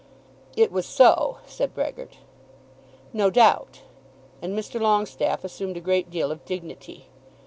"It was so," said Brehgert. "No doubt;" and Mr. Longestaffe assumed a great deal of dignity.